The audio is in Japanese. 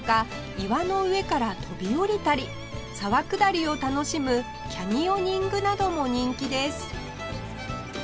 岩の上から飛び降りたり沢下りを楽しむキャニオニングなども人気です